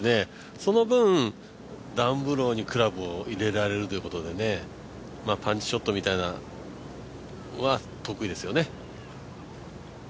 その分、ダウンブローにクラブを入れられるということでパンチショットみたいなのは得意ですよね。